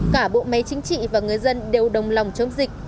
cả bộ máy chính trị và người dân đều đồng lòng chống dịch